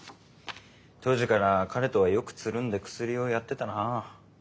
当時から彼とはよくつるんでクスリをやってたなあ。